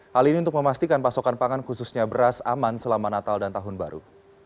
hal ini untuk memastikan pasokan pangan khususnya beras aman selama natal dan tahun baru